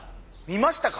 見ましたか？